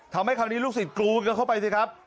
ทำให้คราวนี้ลูกศิษย์กรูนกันเข้าไปสิครับ